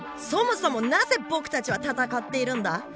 そもそもなぜ僕たちは闘っているんだ？